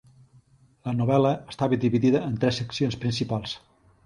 La novel·la està dividida en tres seccions principals.